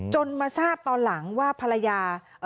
มาทราบตอนหลังว่าภรรยา